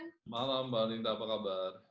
selamat malam mbak linda apa kabar